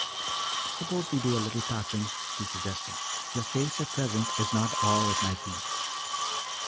"Suppose we do a little patching," he suggested. "Your face at present is not all it might be.